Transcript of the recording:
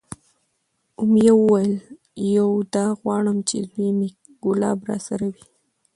امیه وویل: یو دا غواړم چې زوی مې کلاب راسره وی،